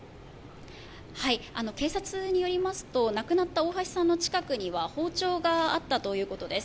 警察によりますと亡くなった大橋さんの近くには包丁があったということです。